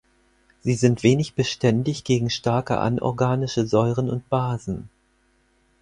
Sie sind wenig beständig gegen starke anorganische Säuren und Basen.